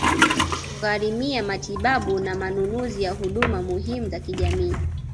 kugharimia matibabu na manunuzi ya huduma muhimu za kijamii